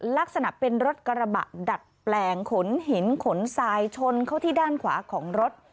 ลักษณะเป็นรถกระบะดัดแปลงขนหินขนทรายชนเข้าที่ด้านขวาของรถ